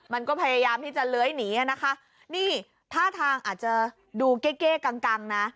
มันก็พยายามที่จะเลื้อยหนีอ่ะนะคะนี่ท่าทางอาจจะดูเก้เก้กังกังนะ